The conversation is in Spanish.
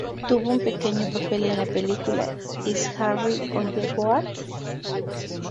Tuvo un pequeño papel en la película "Is Harry on the boat?